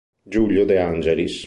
Giulio De Angelis